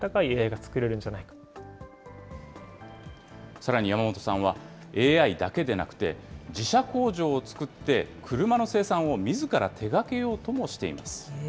さらに山本さんは、ＡＩだけでなくて、自社工場を作って、車の生産をみずから手がけようともしています。